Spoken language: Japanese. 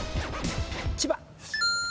千葉。